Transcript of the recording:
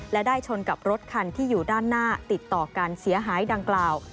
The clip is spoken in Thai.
และได้ชนกับรถคันที่อยู่ด้านหน้าติดต่อกันเสียหายดังกล่าว